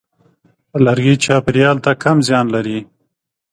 لرګی چاپېریال ته کم زیان لري.